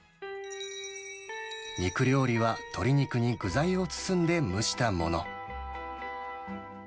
肉料理は、鶏肉に具材を包んで蒸したもの。